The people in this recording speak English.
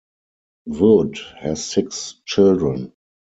Wood has six children.